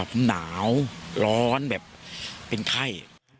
หนาวร้อนแบบเป็นไข้